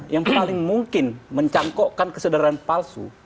yang paling mungkin mencangkokkan kesadaran palsu